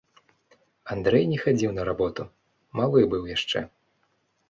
Андрэй не хадзіў на работу, малы быў яшчэ.